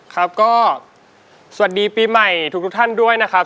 ครับก็สวัสดีปีใหม่ทุกท่านด้วยนะครับ